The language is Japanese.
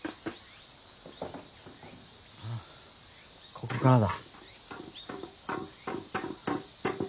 ここからだ。